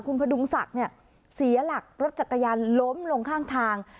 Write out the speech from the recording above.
คุณพดุงศักดิ์เนี่ยเสียหลักรถจักรยานล้มลงข้างทาง